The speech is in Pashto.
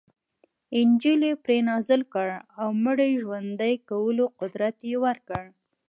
انجیل یې پرې نازل کړ او مړي ژوندي کولو قدرت یې ورکړ.